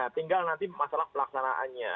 tinggal nanti masalah pelaksanaannya